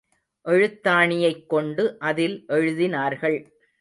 எழுத்தாணியைக்கொண்டு அதில் எழுதினார்கள்.